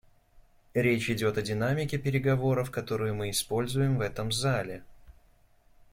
Речь идет о динамике переговоров, которую мы используем в этом зале.